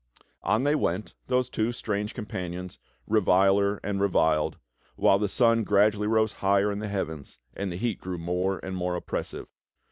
On they went, those two strange companions, re viler and reviled, while the sun gradually rose higher in the heavens, and the heat grew more and more oppressive.